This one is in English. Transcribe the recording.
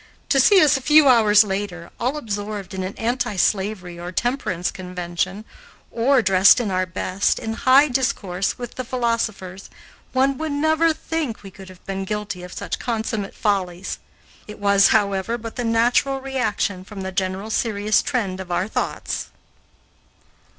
To see us a few hours later, all absorbed in an anti slavery or temperance convention, or dressed in our best, in high discourse with the philosophers, one would never think we could have been guilty of such consummate follies. It was, however, but the natural reaction from the general serious trend of our thoughts.